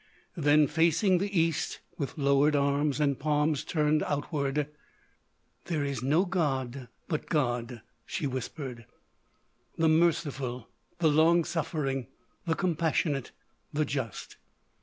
Then, facing the East, with lowered arms and palms turned outward: "There is no god but God," she whispered—"the merciful, the long suffering, the compassionate, the just.